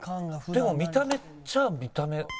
でも見た目っちゃ見た目。